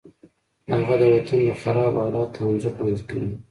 هغه د وطن د خرابو حالاتو انځور وړاندې کوي